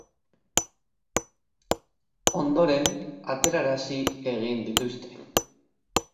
Ondoren, aterarazi egin dituzte.